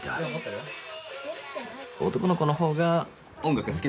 男の子の方が音楽好きだから。